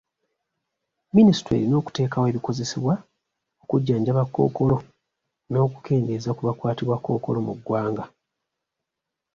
Minisitule erina okuteekawo ebikozesebwa okujjanjaba Kkookolo n'okukendeeza ku bakwatibwa Kkookolo mu ggwanga.